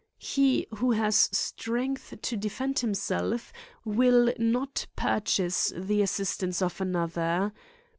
He who has strength to defend himself will not pur chase the assistance of another.